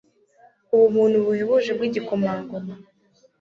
Ubuntu buhebuje bwigikomangoma